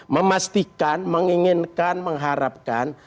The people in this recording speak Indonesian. memastikan menginginkan mengharapkan